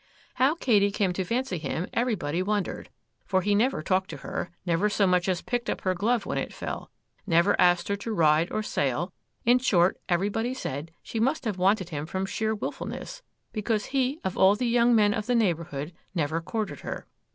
How Katy came to fancy him everybody wondered,—for he never talked to her, never so much as picked up her glove when it fell, never asked her to ride or sail; in short, everybody said she must have wanted him from sheer wilfulness, because he of all the young men of the neighbourhood never courted her.